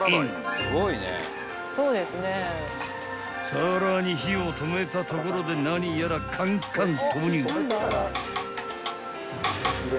［さらに火を止めたところで何やらカンカン投入］